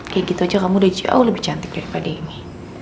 kayak gitu aja kamu udah jauh lebih cantik daripada ini